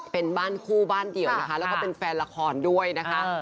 เป็นบ้านคู่บ้านเดียวนะคะแล้วก็เป็นแฟนละครด้วยนะคะ